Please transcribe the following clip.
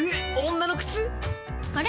女の靴⁉あれ？